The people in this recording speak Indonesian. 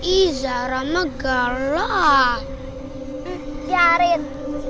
izzah ramagala jarin